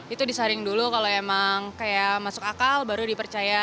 itu disaring dulu kalau emang kayak masuk akal baru dipercaya